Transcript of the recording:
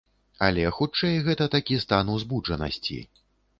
Але, хутчэй, гэта такі стан узбуджанасці.